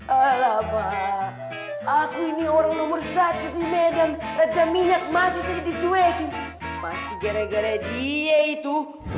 alamak aku ini orang nomor satu di medan raja minyak masih jadi cuekin pasti gara gara dia itu